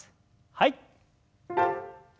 はい。